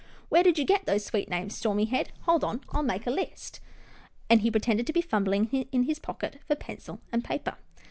Where did you get those sweet names, Stormy Head? — Hold on, I'll make a list," and he pretended to be fumbling in his pocket for pencil and paper.